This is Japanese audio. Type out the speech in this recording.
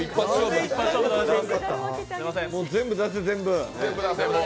全部出せ、全部。